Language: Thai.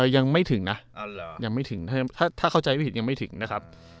ยังไม่ถึงนะถ้าเข้าใจผิดยังไม่ถึงนะครับ